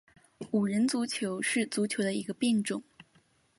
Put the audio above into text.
五人足球是足球的一个变种。